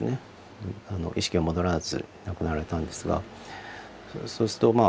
意識が戻らず亡くなられたんですがそうするとまあ